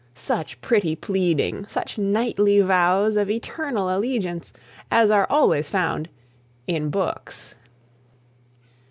Such pretty pleading, such knightly vows of eternal allegiance, as are always found in books!